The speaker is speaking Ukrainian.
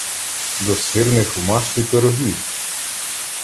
До сирних в маслі пирогів!